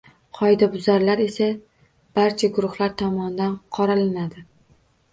Qoidabuzarlar esa barcha guruhlar tomonidan qoralanadi.